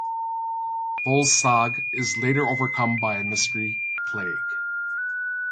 Volstagg is later overcome by a mystery plague.